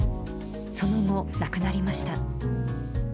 その後、亡くなりました。